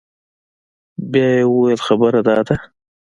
بيا يې وويل خبره دا ده.